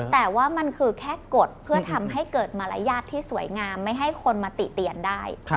แต่ว่ามันคือแค่กฎเพื่อทำให้เกิดมารยาทที่สวยงามไม่ให้คนมาติเตียนได้